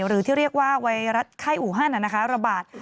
หรือที่เรียกว่าไวรัสไข้อูฮันระบาด